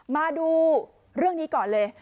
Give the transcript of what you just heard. มาดูเรื่องนี้ก่อนเลย